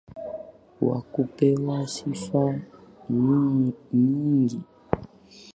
Wa kupewa sifa nyingi.